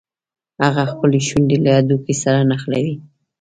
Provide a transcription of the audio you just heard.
هغه خپلې شونډې له هډوکي سره نښلوي.